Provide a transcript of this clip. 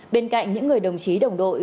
bên cạnh những người đồng chí đồng đội